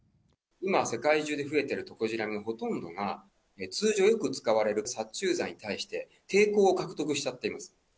今、世界中で増えているトコジラミのほとんどが、通常よく使われる殺虫剤に対して、抵抗を獲得しちゃっています。